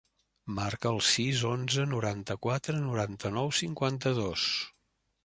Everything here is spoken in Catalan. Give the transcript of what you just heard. Marca el sis, onze, noranta-quatre, noranta-nou, cinquanta-dos.